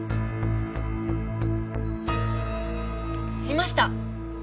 いました！